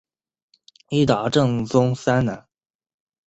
伊达政宗三男。